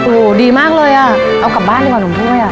โอ้โหดีมากเลยอ่ะเอากลับบ้านดีกว่าหนุ่มถ้วยอ่ะ